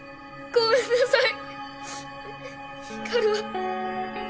ごめんなさい！